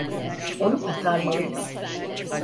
Onu kurtarmalıyız.